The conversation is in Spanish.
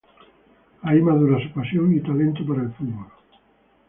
Ahí madura su pasión y talento para el fútbol.